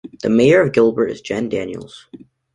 The mayor of Gilbert is Jenn Daniels.